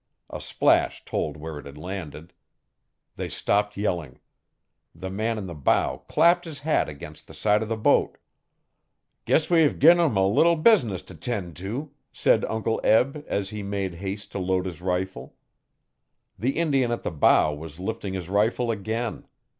A splash told where it had landed. They stopped yelling. The man in the bow clapped his hat against the side of the boat. 'Guess we've gin 'em a little business t' ten' to,' said Uncle Eb as he made haste to load his rifle. The Indian at the bow was lifting his rifle again.